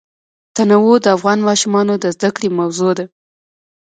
تنوع د افغان ماشومانو د زده کړې موضوع ده.